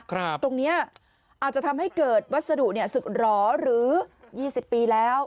ครับตรงเนี้ยอาจจะทำให้เกิดวัสดุเนี้ยสึกหรอหรือยี่สิบปีแล้ว